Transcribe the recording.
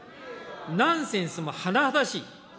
ナンセンスも甚だしい。